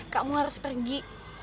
kamu harus pergi